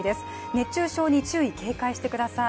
熱中症に注意・警戒してください。